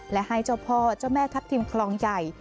และให้เจ้าพ่อเจ้าแม่ทัพทิมคลองใหญ่